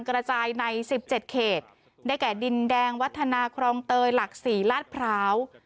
กระจายใน๑๗เขตได้แก่ดินแดงวัฒนาครองเตยหลัก๔ลาดพร้าว